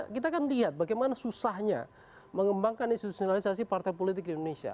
kita kan lihat bagaimana susahnya mengembangkan institusionalisasi partai politik di indonesia